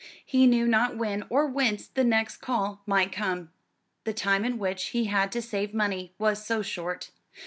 He knew not when or whence the next call might come. The time in which he had to save money was so short.